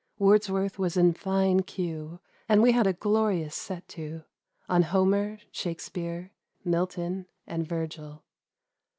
Wordsworth was in fine cue, and ^e had a glorious set to — on Homer, Shakspeare, Milton, and Virgil.